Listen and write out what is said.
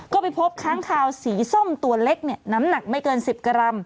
ก็ไปพบค้างคาวสีส้มตัวเล็กน้ำหนักไม่เกิน๑๐กรัม